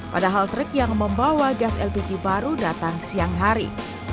padahal truk yang membawa gas lpg baru datang siang hari